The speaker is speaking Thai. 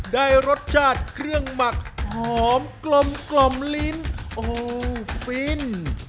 ได้รสชาติเครื่องหมักหอมกลมกล่อมลิ้นโอ้โหฟิน